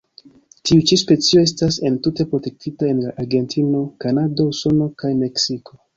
Tiu ĉi specio estas entute protektita en Argentino, Kanado, Usono kaj Meksiko.